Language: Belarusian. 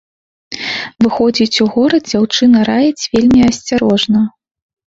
Выходзіць у горад дзяўчына раіць вельмі асцярожна.